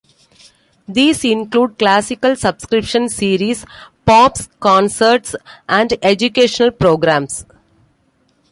These include classical subscription series, pops concerts, and educational programs.